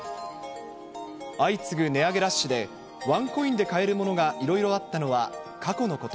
相次ぐ値上げラッシュで、ワンコインで変えるものがいろいろあったのは、過去のこと。